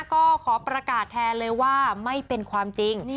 ก็ขอประกาศแทนเลยว่าไม่เป็นความจริง